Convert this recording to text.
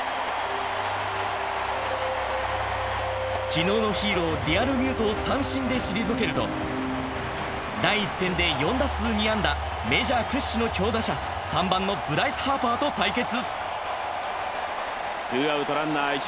昨日のヒーローリアルミュートを三振で退けると第１戦で４打数２安打、メジャー屈指の強打者３番のブライス・ハーパーと対決。